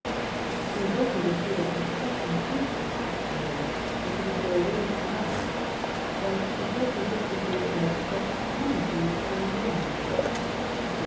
"She told me to see that Mr. Broxton's things were packed, my lord, as he would go away to night. But she told me just before dinner that he wouldn't leave till the morning."